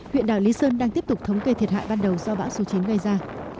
huyện đảo lý sơn đang tiếp tục thống kê thiệt hại ban đầu do bão số chín gây ra